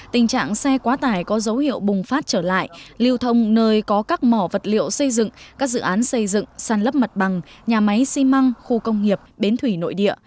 tình trạng xe quá tải bùng phát trở lại lưu thông nơi có các mỏ vật liệu xây dựng các dự án xây dựng sàn lấp mật bằng nhà máy xi măng khu công nghiệp bến thủy nội địa